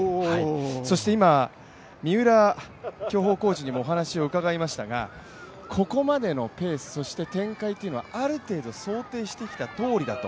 そして今、三浦競歩コーチにもお話を伺いましたがここまでのペース、そして展開っていうのはある程度想定してきたとおりだと。